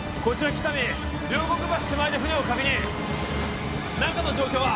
喜多見両国橋手前で船を確認中の状況は？